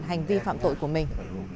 hành vi phạm tội của mình